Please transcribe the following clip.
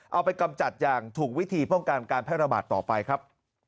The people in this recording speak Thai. เอาไปกำจัดอย่างถูกวิธีป้องกันการแพร่ระบาดต่อไปครับ